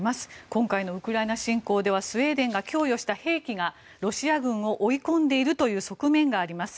今回のウクライナ侵攻ではスウェーデンが供与した兵器がロシア軍を追い込んでいるという側面があります。